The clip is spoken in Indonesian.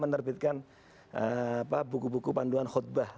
menerbitkan buku buku panduan khutbah